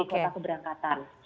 di kota keberangkatan